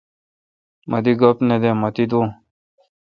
مہ دی گپ۔ نہ دہ مہ تی دون